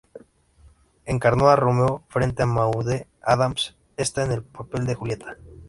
Encarnó a Romeo frente a Maude Adams, esta en el papel de Julieta.